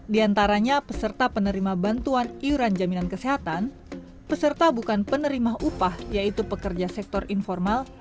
di antaranya peserta penerima bantuan iuran jaminan kesehatan peserta bukan penerima upah yaitu pekerja sektor informal